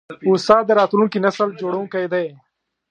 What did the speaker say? استاد د راتلونکي نسل جوړوونکی دی.